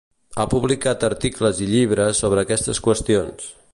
Ha publicat articles i llibres sobre aquestes qüestions